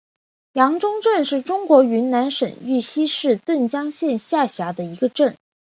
阳宗镇是中国云南省玉溪市澄江县下辖的一个镇。